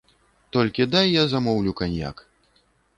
Толькі дай я замоўлю каньяк.